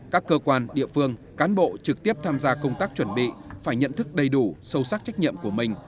các cơ quan địa phương cán bộ trực tiếp tham gia công tác chuẩn bị phải nhận thức đầy đủ sâu sắc trách nhiệm của mình